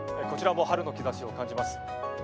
こちらも「春の兆し」を感じます。